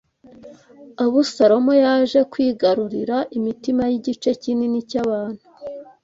Abusalomu yaje kwigarurira imitima y’igice kinini cy’abantu